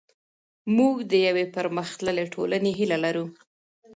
موږ د یوې پرمختللې ټولنې هیله لرو.